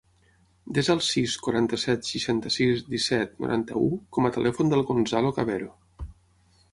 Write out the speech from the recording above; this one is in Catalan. Desa el sis, quaranta-set, seixanta-sis, disset, noranta-u com a telèfon del Gonzalo Cavero.